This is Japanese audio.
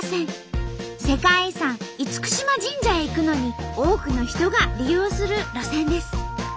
世界遺産嚴島神社へ行くのに多くの人が利用する路線です。